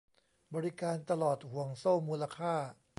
บริการตลอดห่วงโซ่มูลค่า